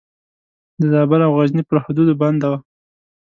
د زابل او غزني پر حدودو بنده وه.